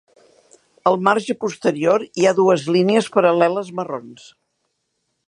El marge posterior hi ha dues línies paral·leles marrons.